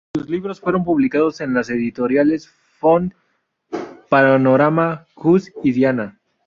Sus libros fueron publicados en las editoriales Font, Panorama, Jus y Diana.